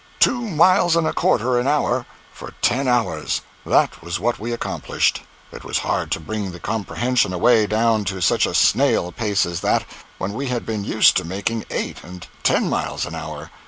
Two miles and a quarter an hour for ten hours—that was what we accomplished. It was hard to bring the comprehension away down to such a snail pace as that, when we had been used to making eight and ten miles an hour.